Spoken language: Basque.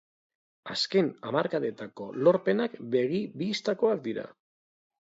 Azken hamarkadetako lorpenak begi-bistakoak dira.